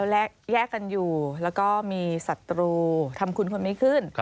แยกกันอยู่แล้วก็มีศัตรูทำคุณคนไม่ขึ้น